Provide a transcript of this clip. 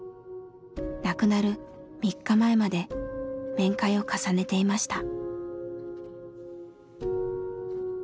亡くなる３日前まで面会を重ねていました。